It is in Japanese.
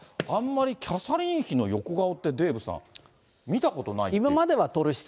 あんまりキャサリン妃の横顔って、デーブさん、見たことないですけど。